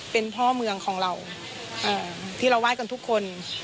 เป็นพ่อเมืองของเราที่เราไหว้กันทุกคน